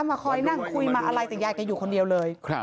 มาคอยนั่งคุยมาอะไรแต่ยายแกอยู่คนเดียวเลย